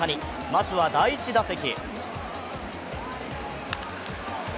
まずは第１打席。